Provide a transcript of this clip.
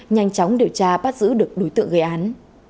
nhanh chóng điều tra bắt giữ được đối tượng gây án